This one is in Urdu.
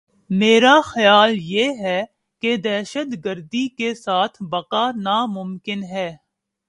میرا خیال یہ ہے کہ دہشت گردی کے ساتھ بقا ناممکن ہے۔